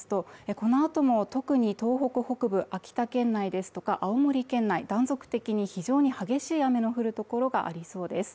この後も特に東北北部秋田県内ですとか青森県内断続的に非常に激しい雨の降るところがありそうです。